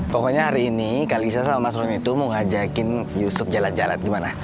pokoknya hari ini kalisa sama mas romi itu mau ngajakin yusuf jalan jalan gimana